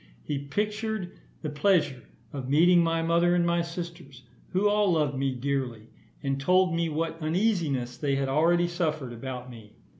He pictured the pleasure of meeting my mother, and my sisters, who all loved me dearly, and told me what uneasiness they had already suffered about me.